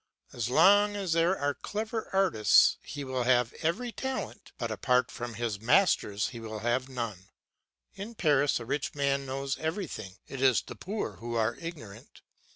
As long as there are clever artists he will have every talent, but apart from his masters he will have none. In Paris a rich man knows everything, it is the poor who are ignorant.